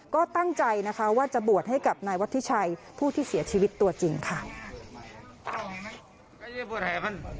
ก็ตั้งใจนะคะว่าจะบวชให้กับนายวัชิชัยผู้ที่เสียชีวิตตัวจริงค่ะ